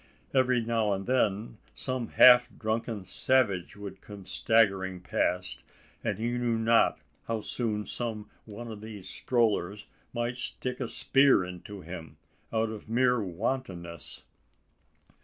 Every now and then some half drunken savage would come staggering past; and he knew not how soon some one of these strollers might stick a spear into him, out of mere wantonness!